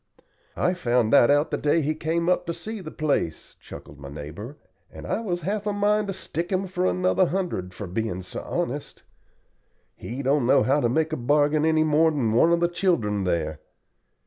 "I found that out the day he came up to see the place," chuckled my neighbor, "and I was half a mind to stick him for another hundred for being so honest. He don't know how to make a bargain any more than one of the children there.